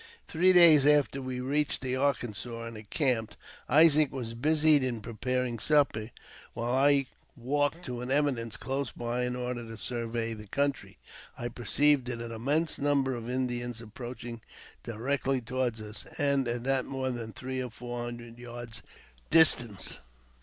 Three days after we reached the Arkansas, and encamped. Isaac was busied in preparing supper, while I walked to an eminence close by in order to survey the country. I perceived an immense number of Indians approaching directly toward us > and at not more than three or four hundred yards distance.